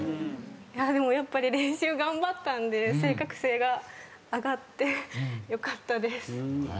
やっぱり練習頑張ったんで正確性が上がってよかったです。